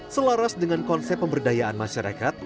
selaras dengan konsep pemberdayaan masyarakat